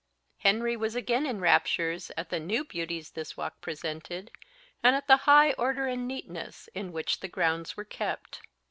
Henry was again in raptures at the new beauties this walk presented, and at the high order and neatness in which the grounds were kept.